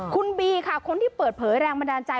คุณบีค่ะคนที่เปิดเผยแรงบันดาลใจ